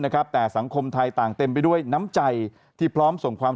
นะครับแต่สังคมไทยต่างเต็มไปด้วยน้ำใจที่พร้อมส่งความ